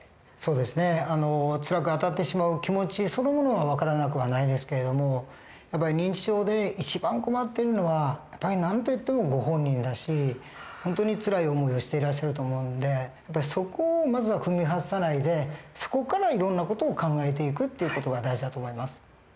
そうですねつらくあたってしまう気持ちそのものは分からなくはないですけど認知症で一番困っているのは何と言ってもご本人だし本当につらい思いをしていらっしゃると思うんでそこをまずは踏み外さないでそこからいろんな事を考えていくっていう事が大事だと思います。